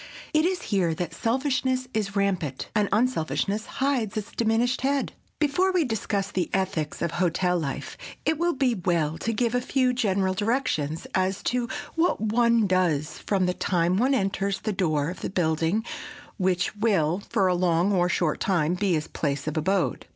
It is here that selfishness is rampant, and unselfishness hides its diminished head. Before we discuss the ethics of hotel life it will be well to give a few general directions as to what one does from the time one enters the door of the building which will, for a long or short time, be his place of abode.